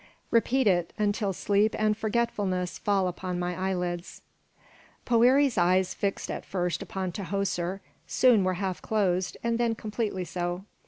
Repeat it until sleep and forgetfulness fall upon my eyelids." Poëri's eyes, fixed at first upon Tahoser, soon were half closed, and then completely so.